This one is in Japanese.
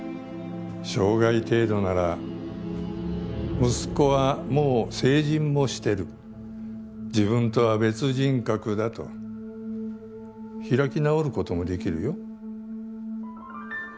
傷害程度なら息子はもう成人もしてる自分とは別人格だと開き直ることもできるよ。